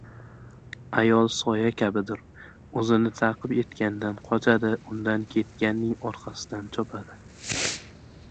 • Ayol soya kabidir. O‘zini ta’qib etgandan qochadi, undan ketganning orqasidan chopadi.